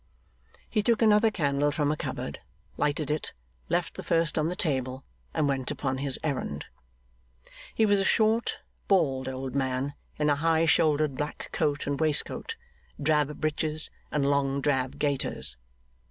He took another candle from a cupboard, lighted it, left the first on the table, and went upon his errand. He was a short, bald old man, in a high shouldered black coat and waistcoat, drab breeches, and long drab gaiters.